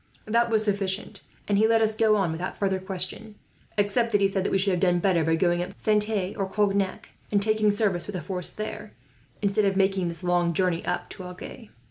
That was sufficient, and he let us go on without further question; except that he said that we should have done better by going up to Saintes, or Cognac, and taking service with the force there, instead of making this long journey up to Agen."